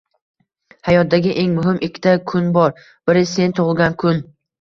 «Hayotdagi eng muhim ikkita kun bor, biri sen tug‘ilgan kun